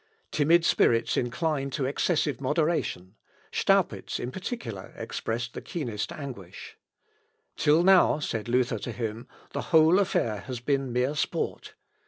Timid spirits inclined to excessive moderation Staupitz in particular, expressed the keenest anguish. "Till now," said Luther to him, "the whole affair has been mere sport.